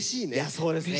そうですね。